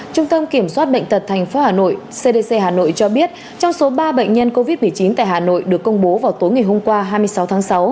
trung tâm kiểm soát bệnh tật tp hà nội cdc hà nội cho biết trong số ba bệnh nhân covid một mươi chín tại hà nội được công bố vào tối ngày hôm qua hai mươi sáu tháng sáu